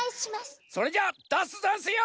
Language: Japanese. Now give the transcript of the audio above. それじゃあだすざんすよ！